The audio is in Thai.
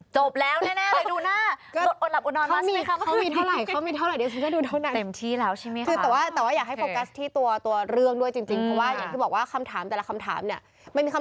จบแล้วแน่เลยดูหน้าดดอดหลับอดนอนมากใช่ไหมค่ะ